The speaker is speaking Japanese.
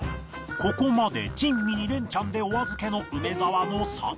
ここまで珍味２連チャンでお預けの梅沢の３品目